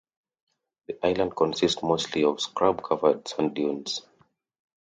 The island consists mostly of scrub-covered sand dunes.